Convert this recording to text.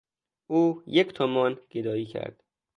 او یک تومان گدایی کرد.